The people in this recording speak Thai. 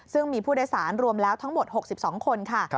ซึ่งมีผู้โดยสารรวมแล้วทั้งหมด๖๒คนค่ะ